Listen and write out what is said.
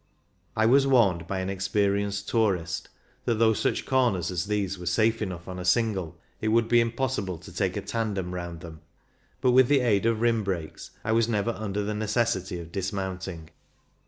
I was warned by an experienced tourist that though such corners as these were safe enough on a single, it would be impossible 196 CYCUNG IN THE ALPS to take a tandem round them ; but with the aid of rim brakes I was never under the necessity of dismounting.